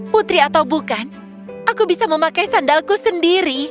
putri atau bukan aku bisa memakai sandalku sendiri